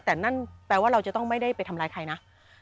แต่นั่นแปลว่าเราจะต้องไม่ได้ไปทำร้ายใครนะ